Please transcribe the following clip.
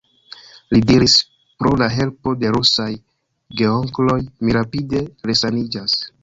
Li diris: Pro la helpo de rusaj geonkloj mi rapide resaniĝas.